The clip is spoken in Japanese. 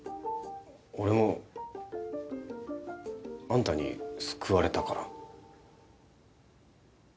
俺もあんたに救われたから。